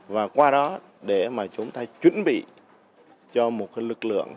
và qua đó để mà chúng ta chuẩn bị cho một lực lượng